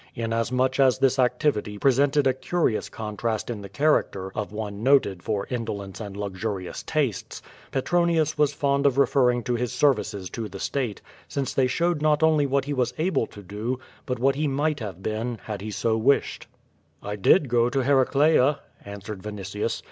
Inasmuch as this activity presented a curious contrast in the character of one noted for indolence and lux urious tastes, Petronius was fond of referring to his services to the State, since they showed not only what he was able to do, but what he might have been, had he so wished. QUO VADI8. "I did go to Ilcraclca," answered Vinitius.